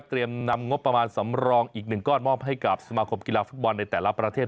นำงบประมาณสำรองอีก๑ก้อนมอบให้กับสมาคมกีฬาฟุตบอลในแต่ละประเทศ